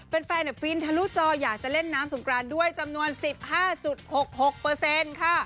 เป็นแฟนฟินท์ทะลุจออยากจะเล่นน้ำสุงกรานด้วยจำนวน๑๕๖๖เปอร์เซ็นต์ค่ะ